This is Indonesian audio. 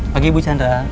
pagi ibu chandra